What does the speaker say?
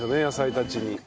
野菜たちに。